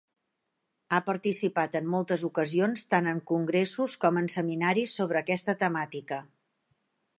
Ha participat en moltes ocasions tant en congressos com en seminaris sobre aquesta temàtica.